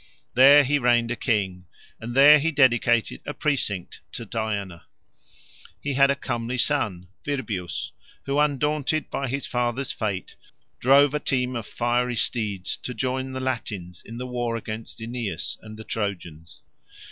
There he reigned a king, and there he dedicated a precinct to Diana. He had a comely son, Virbius, who, undaunted by his father's fate, drove a team of fiery steeds to join the Latins in the war against Aeneas and the Trojans.